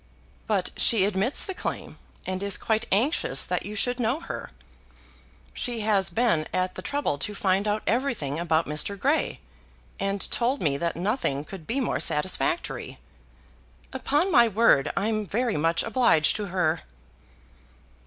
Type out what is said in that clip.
"But she admits the claim, and is quite anxious that you should know her. She has been at the trouble to find out everything about Mr. Grey, and told me that nothing could be more satisfactory." "Upon my word I am very much obliged to her."